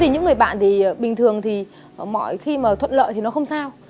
những người bạn thì bình thường thì mọi khi mà thuận lợi thì nó không sao